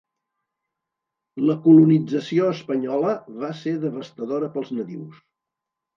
La colonització espanyola va ser devastadora pels nadius.